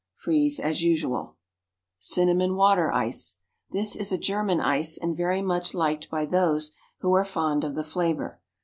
Freeze as usual. Cinnamon Water Ice. This is a German ice, and very much liked by those who are fond of the flavor.